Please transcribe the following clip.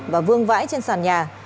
và vương vãi trên sàn nhà